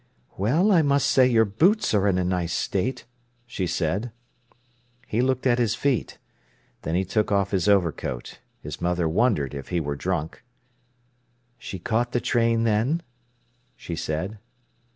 "Well, I must say your boots are in a nice state!" she said. He looked at his feet. Then he took off his overcoat. His mother wondered if he were drunk. "She caught the train then?" she said.